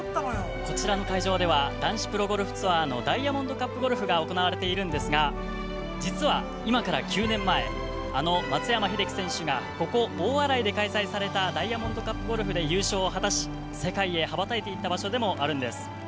こちらの会場では、男子ゴルフツアーの、ダイヤモンドカップツアーが行われているんですが、実は今から９年前あの松山英樹選手がここ大洗で開催されたダイヤモンドカップで優勝を果たし、世界へ羽ばたいていった場所でもあるんです。